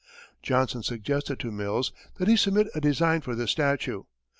Johnson suggested to Mills that he submit a design for this statue.